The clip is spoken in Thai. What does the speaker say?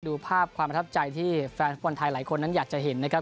ดูภาพความประทับใจที่แฟนฟุตบอลไทยหลายคนนั้นอยากจะเห็นนะครับ